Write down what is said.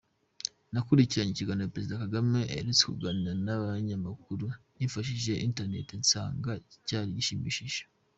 Nakurikiranye ikiganiro Perezida Kagame aherutse kugirana n’abanyamakuru nifashishije internet, nsanga cyari gishimishije.